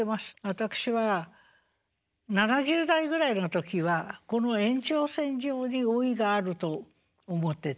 私は７０代ぐらいの時はこの延長線上に老いがあると思ってたんです。